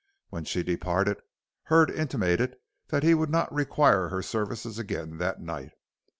When she departed, Hurd intimated that he would not require her services again that night.